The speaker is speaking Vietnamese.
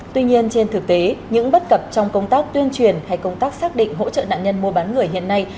tuy nhiên trên thực tế những bất cập trong công tác tuyên truyền hay công tác xác định hỗ trợ nạn nhân mua bán người hiện nay